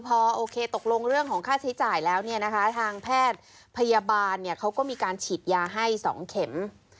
พอโอเคตกลงเรื่องของค่าใช้จ่ายแล้วเนี่ยนะคะทางแพทย์พยาบาลเขาก็มีการฉีดยาให้๒เข็ม